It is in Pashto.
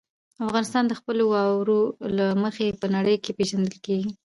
افغانستان د خپلو واورو له مخې په نړۍ کې پېژندل کېږي.